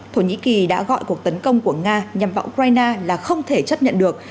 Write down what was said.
thổ nhĩ kỳ đã gọi cuộc tấn công của nga nhằm vào ukraine là không thể chấp nhận được